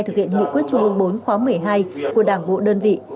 thực hiện nghị quyết trung ương bốn khóa một mươi hai của đảng bộ đơn vị